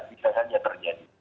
bisa saja terjadi